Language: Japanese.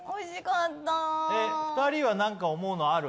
２人はなんか思うのある？